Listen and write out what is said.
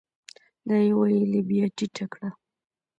دا يې ويلې بيا ټيټه کړه ؟